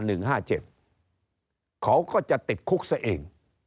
เขาก็จะติดคุกซะเอง